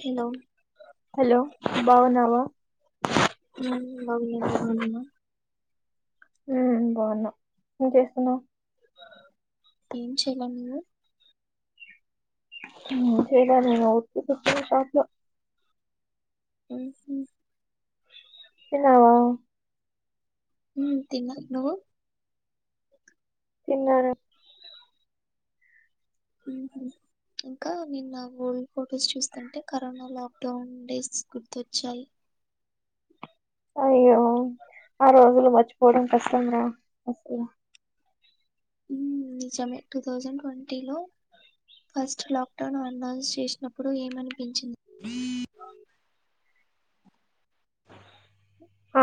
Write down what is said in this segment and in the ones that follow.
Hello hello బాగున్నావా ఉమ్ బాగున్న నువ్వు బాగున్నావా ఉమ్ బాగున్నా ఏం చేస్తున్నావ్ ఏం చెయలే నువ్వు చేదా [unintelligible] ఉహు తిన్నావా ఉ తిన్న నువ్వు తిన్నార అ ఇంక నేను నా ఓల్డ్ ఫొటోస్ చూసుకుంటే కరోనా లాక్డౌన్ డేస్ గుర్తొచ్చాయి పోడం కష్టం రాస్ నిజమే టూ థౌజండ్ ట్వంటీ లో ఫస్ట్ లాక్డౌన్ అనౌన్స్ చేసినప్పుడు ఏమనిపించింది ఆ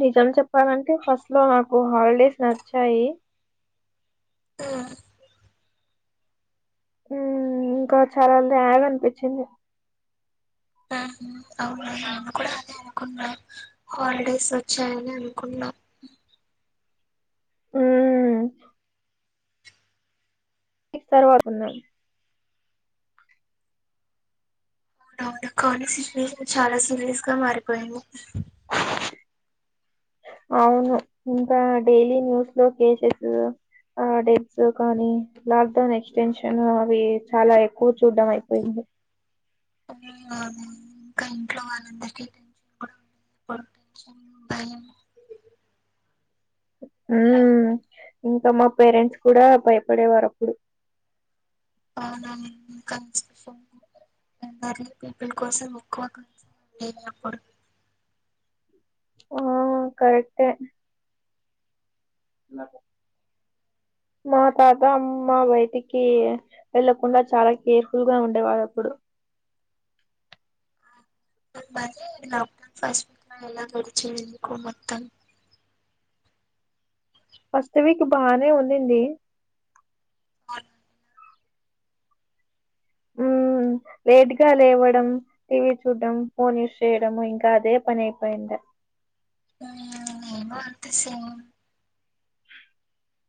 నిజం చెప్పాలంటే ఫస్ట్ లో నాకు హాలిడేస్ నచ్చాయి ఆ ఇంకా చాలా అంటె ల్యాగ్ అనిపించింది [inaudible] అవును నాను కూడ అదె అనుకున్నా హాలిడేస్ వచ్చాయని అనుకున్నా [inaudible] ఉ క్ తర్వాతున్నా అవునవును కానీ సిచ్యువేషన్ చాలా సీరియస్ గా మారిపోయింది అవును ఇంక డైలీ న్యూస్ లో కేసెస్ ఆ డెట్స్ కానీ లాక్ డౌన్ ఎక్స్టెన్షన్ అవి చాల ఎక్కువ చూడ్డం అయిపోయింది [inaudible] అవును ఇంకా ఇంట్లో వాళ్ళందరికీ తె టెంషన్ భయం మ్ ఇంక మా పేరెంట్స్ కూడ భయపడేవారు అప్పుడు అవునవును ఎ పీపిల్ కోసం ఉకువ కండప్పుడు ఆ కరెక్టే ఇలాగ మా తాత అమ్మ బయటికి వెళ్ళకుండ చాల కేర్ఫుల్ గా ఉండేవాల్లప్పుడు మరి లాక్డౌన్ ఫస్ట్ వీక్ ఎలా గడిచేది ఎందుకు మొత్తం ఫస్ట్ వీక్ బానే ఉండింది ఉ లేట్ గా లేవడం టీవీ చూడ్డం ఫోన్ యాజ్ చేయడం ఇంకా అదే పని అయిపోయింది నేను అంతె సేమ్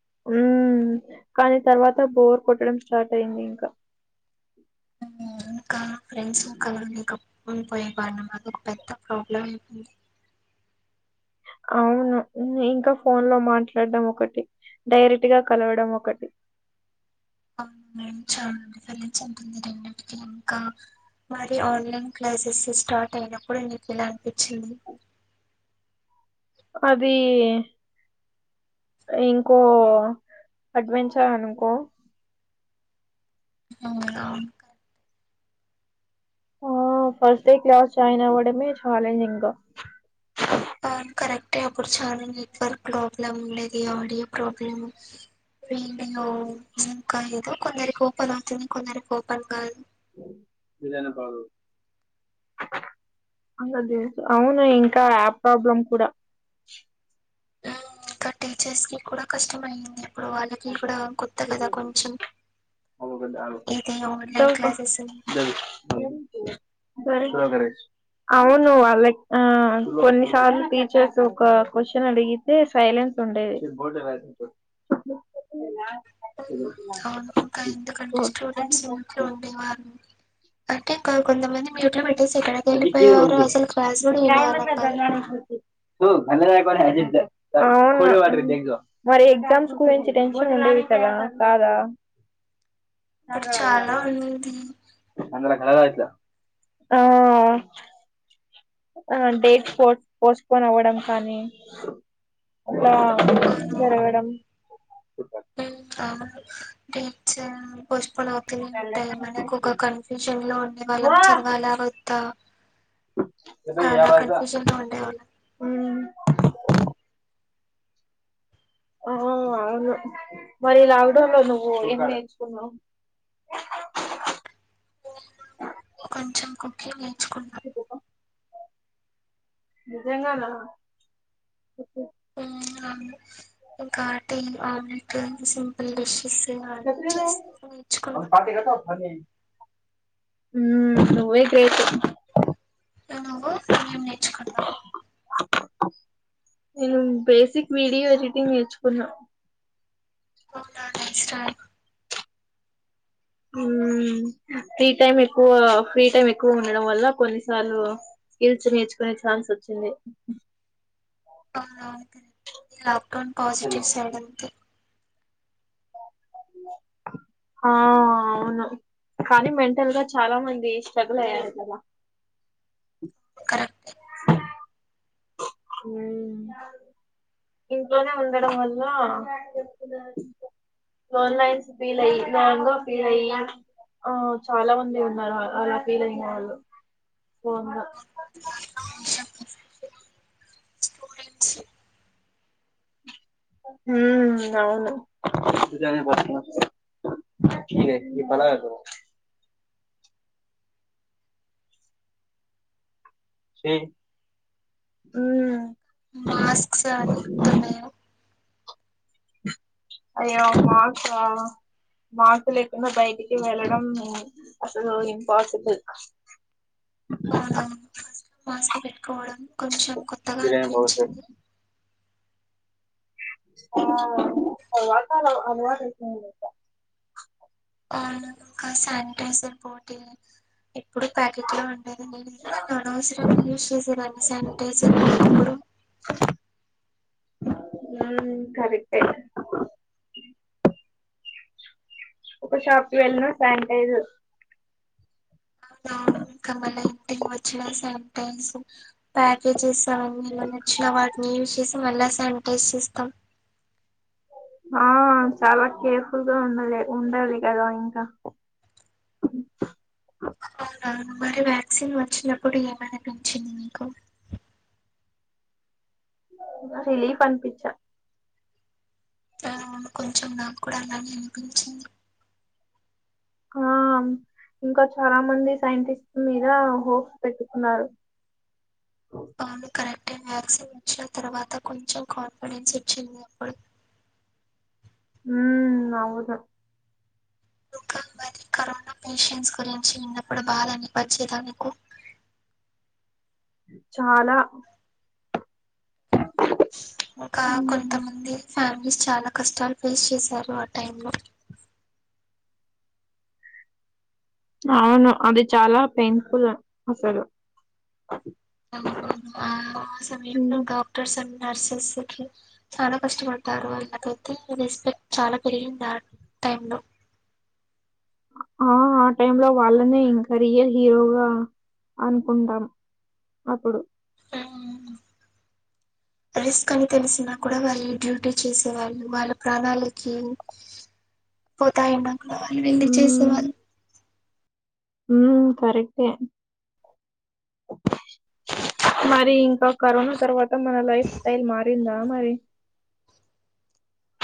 [inaudible] కాని తర్వాత బోర్ కొట్టడం స్టార్ట్ అయింది ఇంక [inaudible] ఇంకా ఫ్రెండ్స్ ఇంకలా మీకన్ పోయే వాళ్ళ మాది ఒక పెద్ద ప్రాబ్లం అయితుంది అవును ఇంక ఫోన్ లో మాట్లాడటం ఒకటి డైరెక్ట్ గా కలవడం ఒకటి అవును మేమ్ చాలా విఫలించి ఉంటుంది రెండిటికి ఇంకా మరి ఆన్లైన్ క్లాసెస్ స్టార్ట్ అయినప్పుడు నీకు ఎలా అనిపించింది అది ఇంకో అడ్వెంచర్ అనుకో అవును ఆ ఫస్ట్ డే క్లాస్ జాయిన్ అవ్వడమే ఛాలెంజింగ అవును కరెక్టే అప్పుడు చాల నెట్వర్క్ ప్రాబ్లం ఉండేది ఆడియో ప్రాబ్లం వెయిండింగో ఇంకా ఏదో కొందరికి ఓపెన్ అవుతుంది కొందరికి ఓపెన్ కాదు మీదనే పదు అందరు దేలుసు అవును ఇంకా యాప్ ప్రాబ్లం కూడా హు ఇంకా టీచర్స్ కి కూడా కష్టం అయింది ఇప్పుడు వాళ్ళకి కూడా కొత్త కదా కొంచెం అ కదా అ ఇది ఆన్లైన్ దవు క క్లాసెస్ ద సర వర అవును వాళ్ళకి ఆ కొన్నిసార్లు టీచర్స్ ఒక క్వశ్చన్ అడిగితే సైల్ ఫ్లెన్స్ ఉండేది అవును ఇంకా ఎందుకంటే స్టూడెంట్స్ ఇంట్లో ఉండేవారు అంటే కాల్ కొంత మంది మ్యూట్ లో అ ఉంది కా అవును వినేవాళ్ళం కాదు మరి ఎగ్జామ్స్ గురించి టెన్షన్ ఉండేవి కదా కాదా అప్పుడు చాలా ఉంది ఆ ఆ డేట్ పో పోస్ట్పోన్ అవ్వడం కానీ అలా అవును జరగడం అవును గెచ్చ పోస్ట్పోన్ అవుతూనే ఉంటాయి మనకు ఒక కన్ఫ్యూజన్ లో ఉండే వాళ్ళం చదవాల వద్దా చాలా కన్ఫ్యూజన్ లో ఉండేవాళ మ్మ్ ఆ అవును మరి లాక్డౌన్ లో నువ్వు ఏం నేర్చుకున్నావు కొంచెం కుకింగ్ ఏంచుకున్నా నిజంగానా ఇంకాటి ఆమ్లెట్ సింపుల్ డిషెస్ అన్నీ చేస్తూ నేర్చుకున్నా ఉ నువ్వే గ్రేట్ నువ్వు కొంజం నేర్చుకుందాం నేను బేసిక్ వీడియో ఎడిటింగ్ నేర్చుకున్నా అవునా నైస్రాల్ ఫ్రీ టైమ్ ఎక్కువ ఫ్రీ టైమ్ ఎక్కువ ఉండడం వల్ల కొన్నిసార్లు స్కిల్స్ నేర్చుకునే ఛాన్స్ వచ్చింది అవును అది లాక్డౌన్ పాజిటివ్ సైడంతే ఆ అవును కానీ మెంటల్ గా చాలా మంది స్ట్రగుల్ అయ్యారు కద కరెక్టే ఉమ్ ఇంట్లోనే ఉండడం వల్ల వాల్ నైన్స్ ఫిలై వాల్గో ఫిలయ్య ఆ చాలా మంది ఉన్నారు అలా ఫీల్ అయిన వాళ్ళు ఓందో స్టూడెంట్స్ ఉమ్మ్ అవును [unintelligible] ఉమ్మ్ మాస్క్స్ అని గుర్తున్నాయే అయ్యో మాక్సా మాస్క్ లేకుండా బయటికి వెళ్ళడం అసలు ఇంపాజిబుల్ అవునా మాస్క్ పెట్టుకోవడం కొంచెం కొత్తగా అనిపించింది ఆ తర్వాత అలా అలవాటైపోయింది ఇంక ఆ ఒక శానిటైజర్ పోటీ ఎప్పుడు ప్యాకెట్లో ఉండేది నేను అనవసరంగా యూజ్ చేసేదాన్ని శానిటైజర్ని అప్పుడు ఉమ్మ్ కరెక్టే ఒక షాప్‌కి వెళ్ళిన శానిటైజర్ అవునవును ఇంకా మళ్ళ ఇంటికి వచ్చినా శానిటైజర్ ప్యాకేజేస్ అవన్నీ ఏమన్నా తేచ్చిన వటిని యూస్ చేసి మళ్ళా శానిటైజ్ చేస్తాం ఆ చాలా కేర్ఫుల్‌గా ఉండాలి ఉండాలి కదా ఇంకా అవునా మరి వ్యాక్సిన్ వచ్చినప్పుడు ఏమనిపించింది మీకు రిలీఫ్ అనిప్పిచా ఆ అవును కొంచెం నాకూడా అలానే అనిపించింది ఆ ఇంకా చాలా మంది సైంటిస్ట్ మీద హోప్స్ పెట్టుకున్నారు అవును కరెక్టే వ్యాక్సిన్ వచ్చిన తర్వాత కొంచెం కాన్ఫిడెన్స్ ఇచ్చింది అప్పుడు ఉమ్మ్ అవును ఇంకా మరి [inaudible] కరోనా పేషెంట్స్ గురించి ఇన్నప్పుడు బాధ అనిపిచేదా నీకు చాలా [inaudible] ఇంకా ఉమ్, కొంతమంది ఫ్యామిలీస్ చాలా కష్టాలు ఫేస్ చేసారు ఆ టైం లో [inaudible] అవును అది చాలా పెయిన్ఫుల్ అసలు అవునవును ఆ సమయం ఉమ్, డాక్టర్ అని నర్సస్‌కి చాలా కష్టపడతారు వాళ్ళకైతే రెస్పెక్ట్ చాలా పెరిగింది అ టైంలో ఆ ఆ టైమ్లో వాళ్ళనే ఇంకా రియల్ హీరోగా అనుకుంటారు అప్పుడు అ రిస్క్ అని తెలిసినా కూడా వాళ్ళు డ్యూటీ చేసే వాళ్ళు వాళ్ళ ప్రాణాలకి పోతాయి మాకు వెళ్ళి చేసేవాళ్ళు మ్ కరెక్టే మరి ఇంకా కరోనా తర్వాత మన లైఫ్ స్టైల్ మారిందా మరి?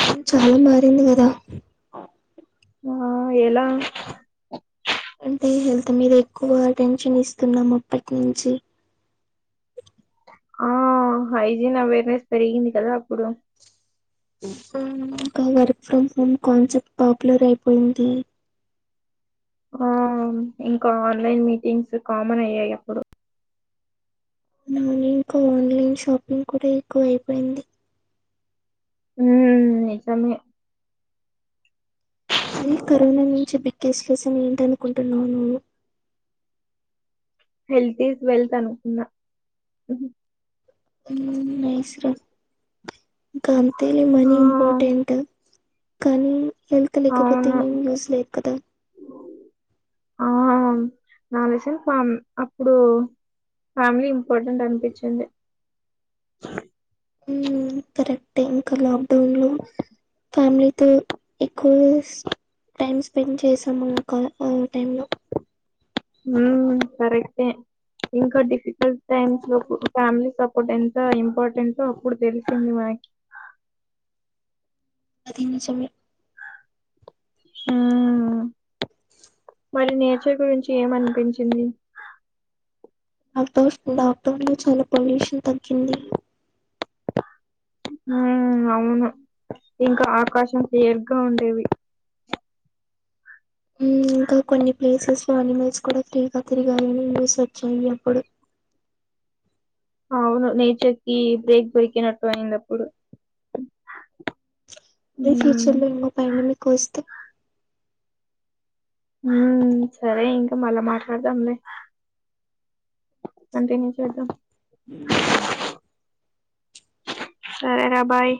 అవును చాలా మారింది కదా? ఆ ఎలా? అంటే హెల్త్ మీద ఎక్కువ అటెన్షన్ ఇస్తున్నాం అప్పటి నుంచి ఆ హైజీన్ అవేర్నెస్ పెరిగింది కదా అప్పుడు. ఇంకా work from home concept popular అయిపోయింది. ఆ ఇంకా ఆన్లైన్ మీటింగ్స్ కామన్ అయ్యాయి అప్పుడు. అవును ఇంకా ఆన్లైన్ షాపింగ్ కూడా ఎక్కువ అయిపోయింది. మ్ నిజమే ఈ కరోనా నుంచి బిగ్గెస్ట్ లెసన్ ఏంటనుకుంటున్నావు నీవు. హెల్త్ ఈస్ వెల్త్ అనుకున్నా. మ్ వేస్టే ఇంక అంతేలి ఆ మనీ ఇంపార్టెంట్. కానీ హెల్త్ లేకపోతే అవును ఏం యూస్ లేదు కదా. ఆ లెసన్ అప్పుడు ఫ్యామిలీ ఇంపార్టెంట్ అనిపించింది. కరెక్టే ఇంకా లాక్డౌన్ లో ఫ్యామిలీతో ఎక్కువ టైమ్ స్పెండ్ చేసాము ఆ టైం లో మ్ కరెక్టే ఇంకా డిఫికల్ట్ టైమ్స్ లో ఫ్యామిలీ సపోర్ట్ ఎంత ఇంపార్టెంటో అప్పుడు తెలిసింది మాకు హ ఇది నిజమే హ్మ్ మరి నేచర్ గురించి ఏమ అనిపించింది? అంటే లాక్డౌన్ లో చాలా పొల్యూషన్ తగ్గింది. హ్మ్ అవును ఇంకా ఆకాశం క్లియర్గా ఉండేది. మ్ ఇంకా కొన్ని ప్లేసెస్ లో అనిమల్స్ కూడా ఫ్రీగా తిరగాలని న్యూస్ వచ్చింది అప్పుడు అవును నేచర్ కి బ్రేక్ దొరికినట్టు అయింది. అప్పుడు అదే మ్మ్ ఫ్యూచర్ లో ఇంగా ఫైవ్ మెంబెర్స్ కి వస్తే మ్ సరే ఇంకా మళ్ళా మాట్లాడదాంలే. కంటిన్యూ చేద్దాం. మ్ హు సరేరా బాయ్